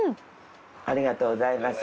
ありがとうございます。